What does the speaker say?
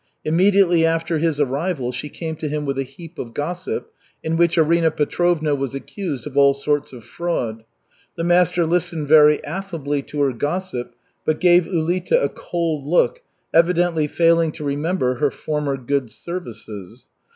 Immediately after his arrival she came to him with a heap of gossip, in which Arina Petrovna was accused of all sorts of fraud. The master listened very affably to her gossip, but gave Ulita a cold look, evidently failing to remember her former "good services."